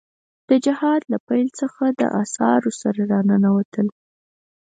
د جهاد له پيل څخه له اسعارو سره را ننوتل.